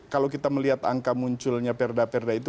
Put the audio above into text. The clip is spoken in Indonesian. kalau kita melihat angka munculnya perda perda itu